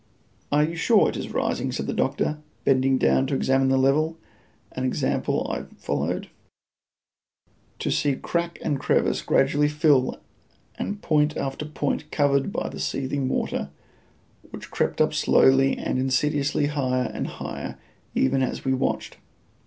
"Are you sure it is rising?" said the doctor, bending down to examine the level an example I followed to see crack and crevice gradually fill and point after point covered by the seething water, which crept up slowly and insidiously higher and higher even as we watched.